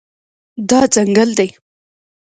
دا ځنګل دی